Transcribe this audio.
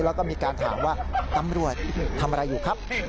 แล้วก็มีการถามว่าตำรวจทำอะไรอยู่ครับ